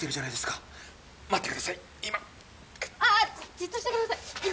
じっとしてください。